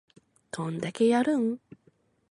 どんだけやるん